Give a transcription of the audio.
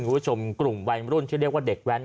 คุณผู้ชมกลุ่มวัยรุ่นที่เรียกว่าเด็กแว้น